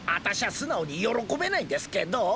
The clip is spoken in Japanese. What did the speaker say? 素直に喜べないんですけどぉ？